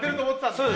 そうです。